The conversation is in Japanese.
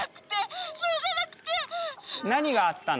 何があったの？